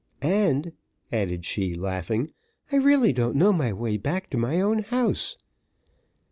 And" (added she, laughing) "I really don't know my way back to my own house."